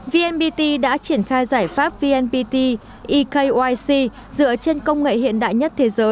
vnpt đã triển khai giải pháp vnpt ekyc dựa trên công nghệ hiện đại nhất thế giới